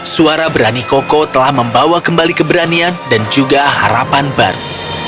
suara berani koko telah membawa kembali keberanian dan juga harapan baru